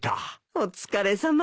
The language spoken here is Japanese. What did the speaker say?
お疲れさま。